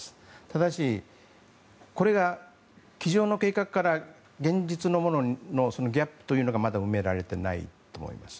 ただし、これが机上の計画から現実のものとのギャップがまだ埋められていないと思います。